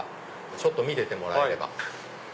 ちょっと見ててもらえれば。